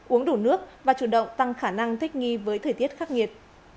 uống đủ nước và chủ động tăng khả năng thích nghi với thời tiết khắc nghiệt